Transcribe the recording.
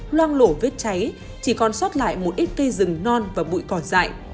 loang lổ vết cháy chỉ còn sót lại một ít cây rừng non và bụi cỏ dại